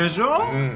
うん。